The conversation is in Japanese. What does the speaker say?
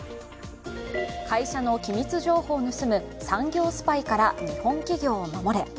会社の機密情報を盗む産業スパイから日本企業を守れ。